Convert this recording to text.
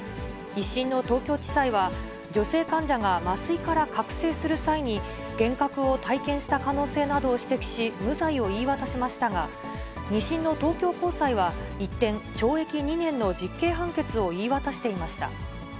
１審の東京地裁は、女性患者が麻酔から覚醒する際に、幻覚を体験した可能性などを指摘し、無罪を言い渡しましたが、２審の東京高裁は、一転、懲役２年の実刑判決を言い渡していました。